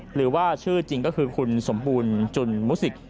หรือว่าชื่อจริงก็คือคุณสมบูรณ์จุนมุสิก